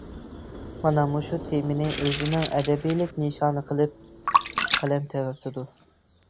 مانا مۇشۇ تېمىنى ئۆزىنىڭ ئەبەدىيلىك نىشانى قىلىپ قەلەم تەۋرىتىدۇ.